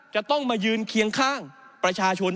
จะต้องมายืนเคียงข้างประชาชน